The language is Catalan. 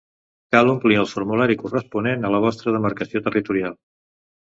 Cal omplir el formulari corresponent a la vostra demarcació territorial.